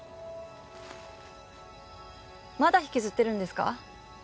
まだ引きずってるんですか？